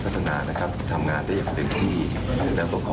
ผมว่าถ้าใครลงไปเดินตลาด